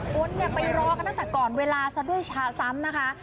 คนไปรอกันตั้งแต่ก่อนเวลาซะด้วยช้าซ้ำนะคะ